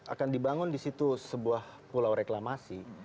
akan dibangun di situ sebuah pulau reklamasi